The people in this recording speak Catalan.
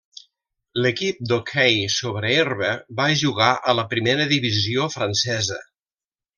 L'equip d'hoquei sobre herba va jugar a la primera divisió francesa.